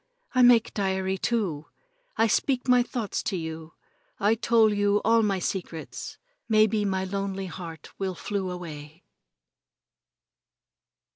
I make diary, too. I speak my thoughts to you. I tole you all my secrets. Maybe my lonely heart will flew away."